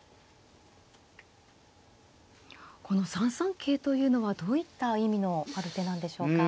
この３三桂というのはどういった意味のある手なんでしょうか。